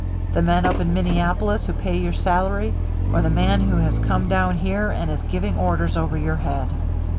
The men up in Minneapolis who pay your salary, or the man who has come down here and is giving orders over your head?